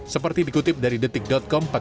seperti dikutip dari detik com